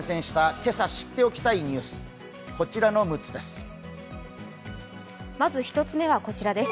今朝知っておきたいニュース、こちらの６つです。